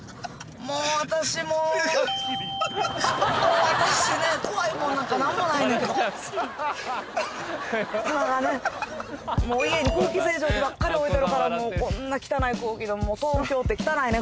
もう私もうもう私ね怖いもんなんか何もないねんけど砂がねもう家に空気清浄機ばっかり置いてるからもうこんな汚い空気でもう東京って汚いね